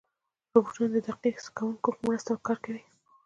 روبوټونه د دقیق حس کوونکو په مرسته کار کوي.